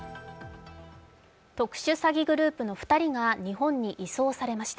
特殊詐欺グループの２人が日本に移送されました。